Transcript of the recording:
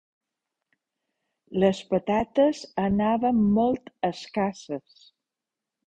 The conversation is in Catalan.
Les patates anaven molt escasses